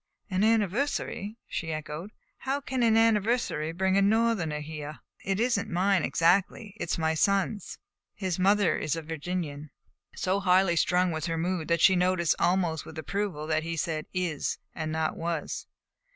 "An anniversary?" she echoed. "How can an anniversary bring a Northerner here?" "It is n't mine exactly. It is my son's. His mother is a Virginian." So highly strung was her mood that she noticed almost with approval that he had said "is" and not "was."